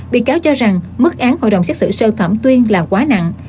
bị cáo cho rằng mức án hội đồng xét xử sơ thẩm tuyên là quá nặng